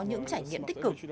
những trải nghiệm tích cực